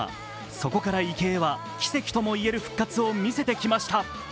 そこから池江は奇跡とも言える復活を見せてきました。